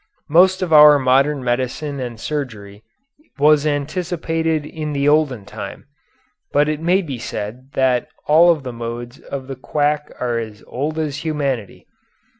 Most of our modern medicine and surgery was anticipated in the olden time; but it may be said that all of the modes of the quack are as old as humanity.